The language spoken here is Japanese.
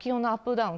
ダウン